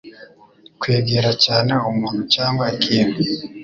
Kwegera cyane umuntu cyangwa ikintu